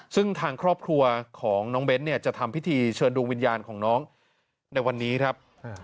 ซึ่งทางครอบครัวของน้องเบ้นเนี่ยจะทำพิธีเชิญดวงวิญญาณของน้องในวันนี้ครับ